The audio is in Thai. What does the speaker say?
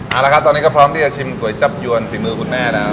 เอาละครับตอนนี้ก็พร้อมที่จะชิมก๋วยจับยวนฝีมือคุณแม่แล้ว